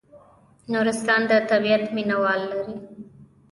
نورستان د طبیعت مینه وال لري